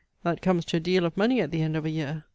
"That comes to a deal of money at the end of a year.